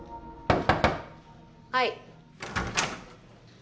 はい。